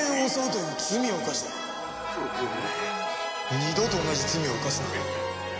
二度と同じ罪を犯すな。